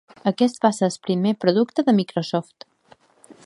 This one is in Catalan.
Aquest va ser el primer producte de Microsoft.